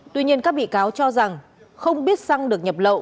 tuy nhiên các bị cáo cho rằng không biết xăng được nhập lậu